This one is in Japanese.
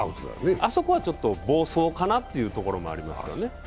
あそこはちょっと、暴走かなというところもありますよね。